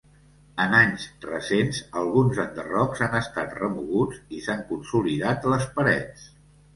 En anys recents alguns enderrocs han estat remoguts i s'han consolidat les parets.